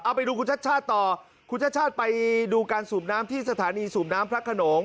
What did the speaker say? เอาไปดูคุณชัดต่อคุณชัดไปดูการสูบน้ำที่สถานีสูบน้ำพระขนง